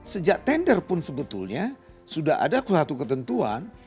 sejak tender pun sebetulnya sudah ada suatu ketentuan